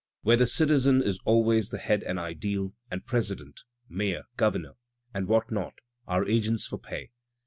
Where the citizen is always the head and ideal, and President, Mayor, Governor and what not, are agents for pay.